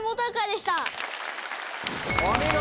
お見事！